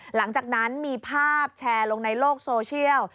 หลังจากนั้นมีภาพแชร์ลงในโลกโซเชียล